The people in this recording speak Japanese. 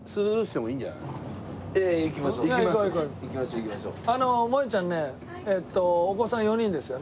もえちゃんねお子さん４人ですよね。